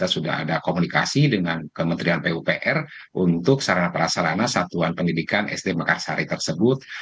sudah ada komunikasi dengan kementerian pupr untuk sarana prasarana satuan pendidikan sd mekarsari tersebut